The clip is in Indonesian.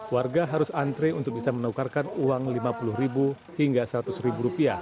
warga harus antre untuk bisa menukarkan uang rp lima puluh hingga rp seratus